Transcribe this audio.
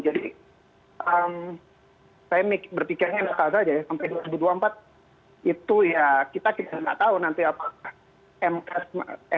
jadi emm saya berpikirnya enggak sekali saja ya sampai dua ribu dua puluh empat itu ya kita tidak tahu nanti apa